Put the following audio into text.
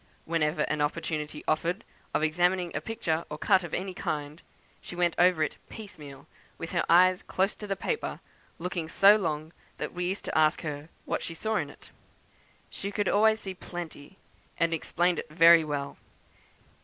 Whenever an opportunity offered of examining a picture or cut of any kind, she went over it piecemeal, with her eyes close to the paper, looking so long that we used to ask her 'what she saw in it.' She could always see plenty, and explained it very well.